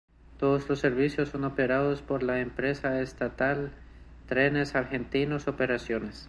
Todos los servicios son operados por la empresa estatal Trenes Argentinos Operaciones.